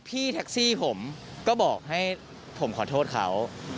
พี่แท็กซี่ผมก็บอกให้ผมขอโทษเขา